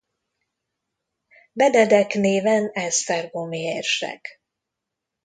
Benedek néven esztergomi érsek.